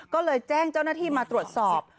ก็เลยแจ้งเจ้าหน้าที่มาตรวจสอบ